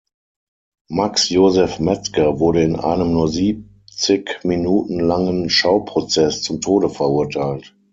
Max Josef Metzger wurde in einem nur siebzig Minuten langen Schauprozess zum Tode verurteilt.